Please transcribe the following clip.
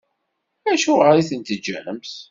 Acuɣer i t-in-teǧǧamt?